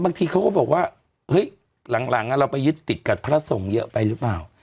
บางทีเขาก็บอกว่าเฮ้ยหลังเราไปยึดติดกับพระสงฆ์เยอะไปหรือเปล่า